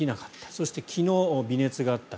そして、昨日、微熱があった。